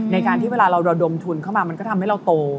ในการที่เวลาเราระดมทุนเข้ามามันก็ทำให้เราโต